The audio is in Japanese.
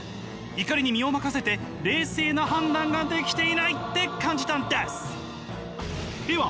怒りに身を任せて冷静な判断ができていないって感じたんです！